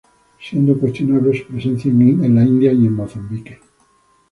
Siendo cuestionable su presencia en India y Mozambique.